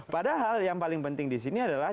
padahal yang paling penting disini adalah